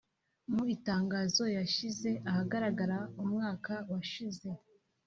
Mu itangazo yashyize ahagaragara umwaka washize